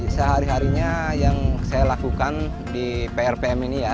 sehari harinya yang saya lakukan di prpm ini ya